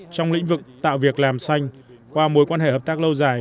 trong lĩnh vực tạo việc làm xanh qua mối quan hệ hợp tác lâu dài